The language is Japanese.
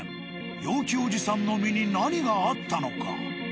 陽気おじさんの身に何があったのか。